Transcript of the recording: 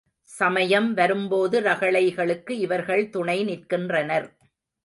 சமயம் வரும்போது ரகளைகளுக்கு இவர்கள் துணை நிற்கின்றனர்.